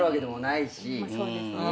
そうですね。